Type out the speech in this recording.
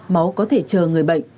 máu có thể chờ người bệnh